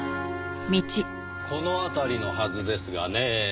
この辺りのはずですがねぇ。